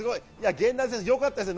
源田選手、よかったですね。